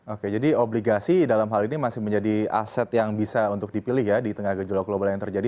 oke jadi obligasi dalam hal ini masih menjadi aset yang bisa untuk dipilih ya di tengah gejolak global yang terjadi